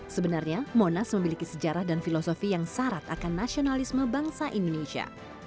sebenarnya monas memiliki sejarah dan filosofi yang syarat akan nasionalisme bangsa indonesia